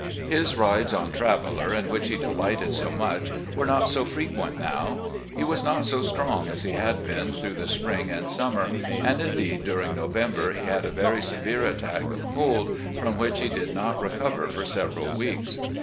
His rides on Traveller in which he delighted so much were not so frequent now. He was not so strong as he had been through the spring and summer, and, indeed, during November he had a very severe attack of cold, from which he did not recover for several weeks.